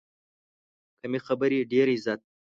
کمې خبرې، ډېر عزت.